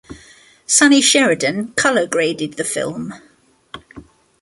Sonny Sheridan colour graded the film.